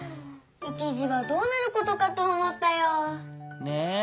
いちじはどうなることかとおもったよ。ね。